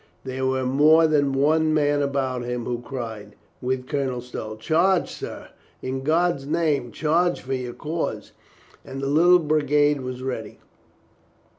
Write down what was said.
There was more than one man about him who cried with Colonel Stow, "Charge, sir, i' God's name, charge for your cause!" and the little brigade was ready.